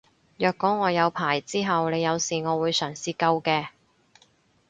若果我有牌之後你有事我會嘗試救嘅